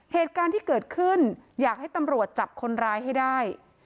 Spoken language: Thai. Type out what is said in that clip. เหตุการณ์ที่เกิดขึ้นอยากให้ตำรวจจับคนร้ายให้ได้